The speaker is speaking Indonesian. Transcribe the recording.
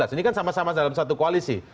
ini kan sama sama dalam satu koalisi